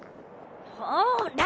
ほら！